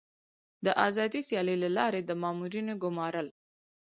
د آزادې سیالۍ له لارې د مامورینو ګمارل.